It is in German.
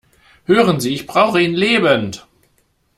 Hören Sie, ich brauche ihn lebend!